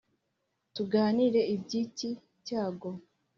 tuganira iby’iki cyago